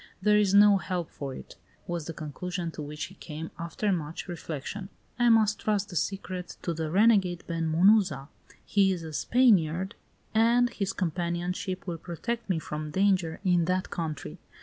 There is no help for it," was the conclusion to which he came, after much reflection. "I must trust the secret to the renegade Ben Munuza. He is a Spaniard, and his companionship will protect me from danger in that country.